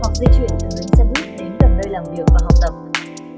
hoặc di chuyển từ bến xe buýt đến gần nơi làm việc và học tập